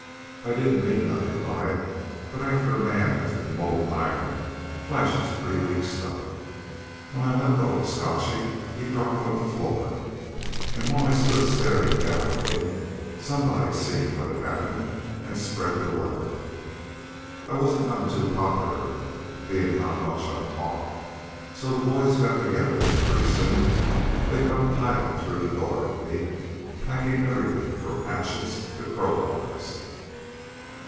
"I didn't mean nothin' by it, but after a man has been moldin' iron, flesh is pretty weak stuff. When I let go of Scotchy he dropped on the floor, and while I stood starin' down at him somebody seen what had happened and spread the word. "I wasn't none too popular, bein' not much on talk, so the boys got together and pretty soon they come pilin' through the door at me, packin' everything from hatchets to crowbars.